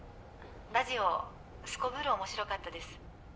ラジオすこぶる面白かったです